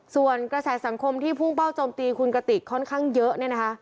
ส่วนกระแสสังคมที่พุ่งเป้าโจมตีคุณกติกค่อนข้างเยอะเนี่ยนะคะ